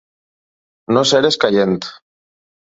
No ser escaient.